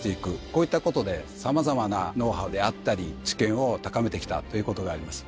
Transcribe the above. こういったことで様々なノウハウであったり知見を高めてきたということがあります。